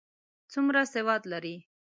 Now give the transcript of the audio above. څومره سواد لري؟